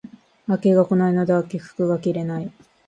秋が来ないので秋服が着れない